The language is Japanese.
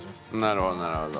なるほどなるほど。